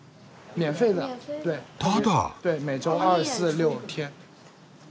ただ？